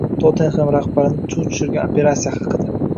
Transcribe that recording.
“Tottenhem” rahbarini chuv tushirgan “operatsiya” haqida